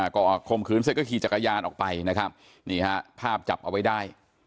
ก็คมคืนเสร็จก็ขี่จักรยานออกไปนะครับนี่ฮะภาพจับเอาไว้ได้